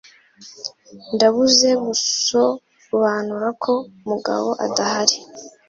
Ndabuze gusobanura ko Mugabo adahari.